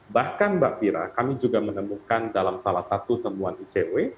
bahkan mbak fira kami juga menemukan dalam salah satu temuan icw